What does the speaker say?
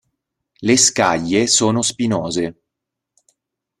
Le scaglie sono spinose.